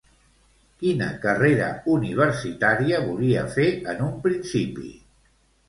Quina carrera universitària volia fer en un principi?